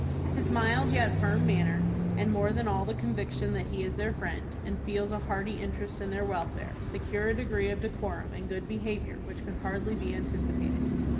His mild yet firm manner, and more than all the conviction that he is their friend, and feels a hearty interest in their welfare, secure a degree of decorum and good behavior which could hardly be anticipated.